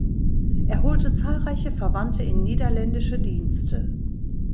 Er holte zahlreiche Verwandte in niederländische Dienste.